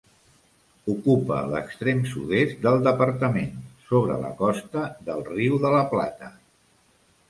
Ocupa l'extrem sud-est del departament, sobre la costa del Riu de la Plata.